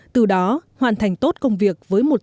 từ đó hoàn thành tốt công việc